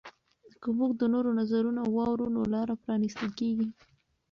که موږ د نورو نظرونه واورو نو لاره پرانیستل کیږي.